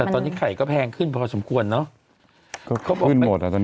ทิ้งไปเลย